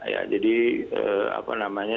ya jadi apa namanya